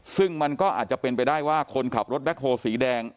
ซึ่งมันก็อาจจะเป็นไปได้ว่าคนขับรถแบ็คโฮสีแดง